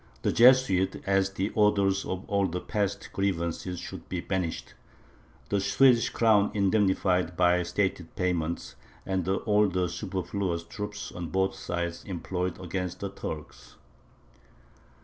The Jesuits, as the authors of all past grievances, should be banished, the Swedish crown indemnified by stated payments, and all the superfluous troops on both sides employed against the Turks."